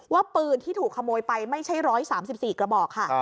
ว่าปืนที่ถูกขโมยไปไม่ใช่๑๓๔กระบอกค่ะ